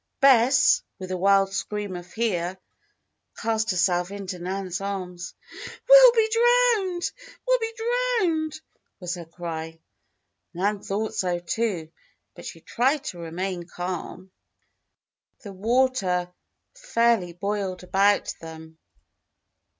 Bess, with a wild scream of fear, cast herself into Nan's arms. "We'll be drowned! we'll be drowned!" was her cry. Nan thought so, too, but she tried to remain calm. The water fairly boiled about them.